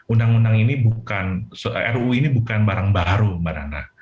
undang undang ini bukan ruu ini bukan barang baru mbak nana